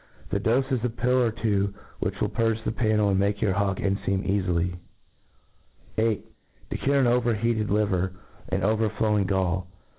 The dofe is a pill or two, which will purge thepannel ^nd make your hawk cnfej^m cafily. 8. To cure an over he(ite4 Livfr^ and overflowing Gall.